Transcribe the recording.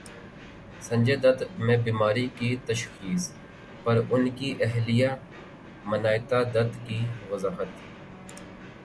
سنجے دت میں بیماری کی تشخیص پر ان کی اہلیہ منائتا دت کی وضاحت